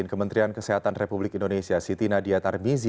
kementerian kesehatan republik indonesia siti nadia tarmizi